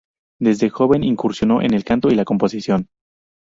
Desde joven incursionó en el canto y la composición.